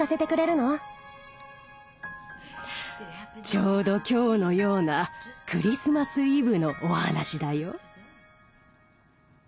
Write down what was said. ちょうど今日のようなクリスマス・イブのお話だよ。